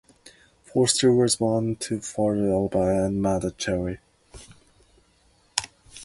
Foster was born to father Albert and mother Cheryl.